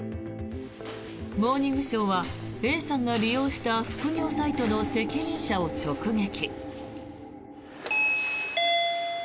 「モーニングショー」はＡさんが利用した副業サイトの責任者を直撃。